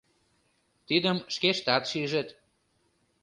Тидым шкештат шижыт.